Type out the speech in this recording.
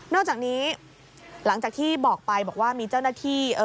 อกจากนี้หลังจากที่บอกไปบอกว่ามีเจ้าหน้าที่